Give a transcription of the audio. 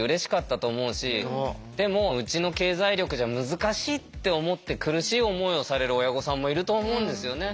でもうちの経済力じゃ難しいって思って苦しい思いをされる親御さんもいると思うんですよね。